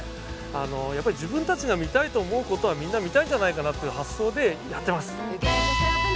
やっぱり自分たちが見たいと思うことはみんな見たいんじゃないかなっていう発想でやってます。